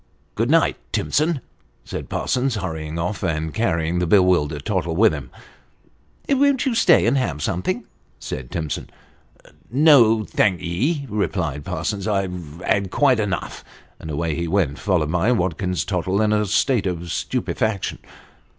" Good night, Timson," said Parsons, hurrying off, and carrying the bewildered Tottle with him. " Won't you stay and have something ?" said Timson. " No, thank ye," replied Parsons ;" I've have quite enough ;" and away he went, followed oy Watkins Tottle in a state of stupefaction.